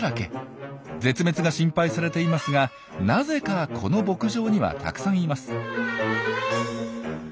絶滅が心配されていますがなぜかこの牧場にはたくさんいます。